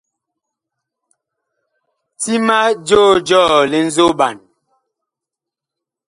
Ti ma joo jɔɔ li nzoɓan.